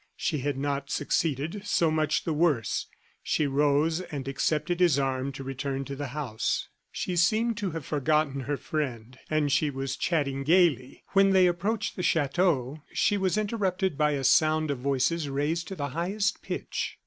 She had not succeeded; so much the worse. She rose and accepted his arm to return to the house. She seemed to have forgotten her friend, and she was chatting gayly. When they approached the chateau, she was interrupted by a sound of voices raised to the highest pitch.